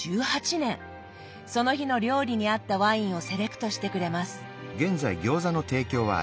その日の料理に合ったワインをセレクトしてくれます。